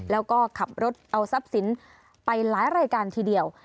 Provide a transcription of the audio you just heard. แล้วก็ขับรถเอาทรัพย์สินไปหลายรายการทีเดียว